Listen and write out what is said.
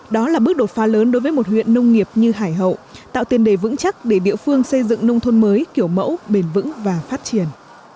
đó là bước đột phá lớn đối với một huyện nông nghiệp như hải hậu tạo tiền đề vững chắc để địa phương xây dựng nông thôn mới kiểu mẫu bền vững và phát triển